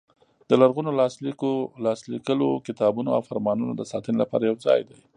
د لرغونو لاس لیکلو کتابونو او فرمانونو د ساتنې لپاره یو ځای دی.